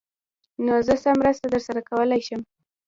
_نو زه څه مرسته درسره کولای شم؟